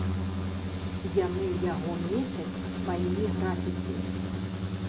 Яны яго мецяць сваімі графіці.